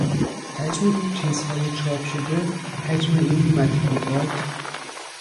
حجم این چیزهای چاپ شده، حجم این مطبوعات